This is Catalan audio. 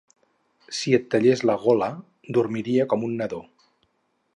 Si et tallés la gola, dormiria com un nadó.